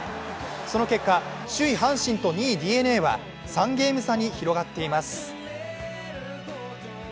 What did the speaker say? その結果、首位・阪神と２位・ＤｅＮＡは３ゲーム差に広がっています。